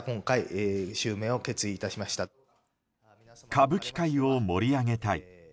歌舞伎界を盛り上げたい。